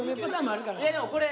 これ。